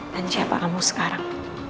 dan siapa kamu sekarang